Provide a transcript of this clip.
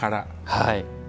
はい。